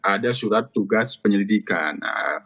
ada surat tugas penyelidikan